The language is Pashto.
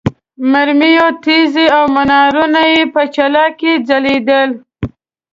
مرمرو تیږې او منارونه یې په ځلا کې ځلېدل.